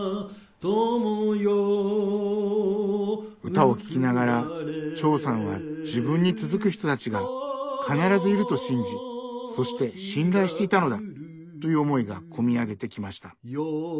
歌を聴きながら「長さんは『自分に続く人たち』が必ずいると信じそして信頼していたのだ」という思いが込み上げてきました。